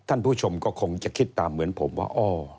ท่านผู้ชมก็คงจะคิดตามเหมือนผมว่า